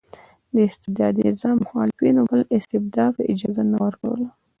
د استبدادي نظام مخالفینو بل استبداد ته اجازه نه ورکوله.